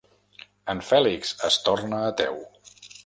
En Fèlix es torna ateu.